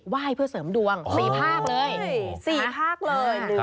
ว่ายเพื่อเสริมดวงสี่ภาพเลยโอ้โหสี่ภาพเลย